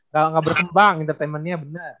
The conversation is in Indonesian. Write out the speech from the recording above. gak berkembang entertainmentnya bener